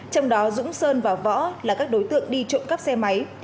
trong đó dũng sơn và võ là các đối tượng đi trộm cắp xe máy